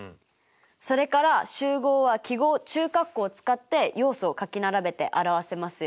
それから集合は記号中括弧を使って要素を書き並べて表せますよ。